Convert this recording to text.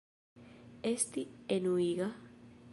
Esti enuiga?